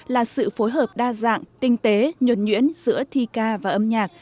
là sự phối hợp đa dạng tinh tế nhuẩn nhuyễn giữa thi ca và âm nhạc